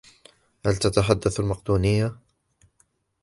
هل تتحدث المقدونية؟